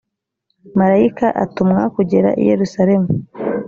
marayika atumwa kugera i yerusalemu